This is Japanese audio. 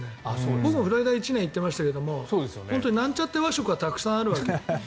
僕もフロリダは１年行っていましたけどなんちゃって和食はたくさんあるわけ。